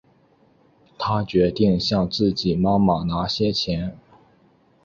她决定向自己妈妈拿些钱